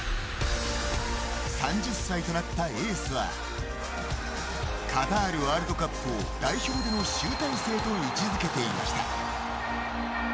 ３０歳となったエースはカタールワールドカップを代表での集大成と位置付けていました。